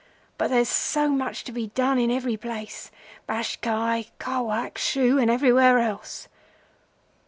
But there's so much to be done in every place—Bashkai, Khawak, Shu, and everywhere else.